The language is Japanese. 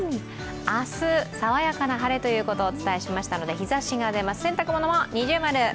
明日、爽やかな晴れということをお伝えしましたので、日ざしが出ます、洗濯物は◎。